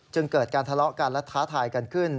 เกิดการทะเลาะกันและท้าทายกันขึ้น